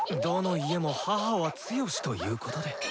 どの家も母は強しということで。